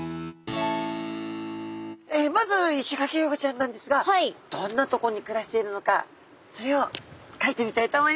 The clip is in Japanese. まずイシガキフグちゃんなんですがどんなとこに暮らしているのかそれをかいてみたいと思います。